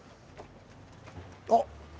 あっ！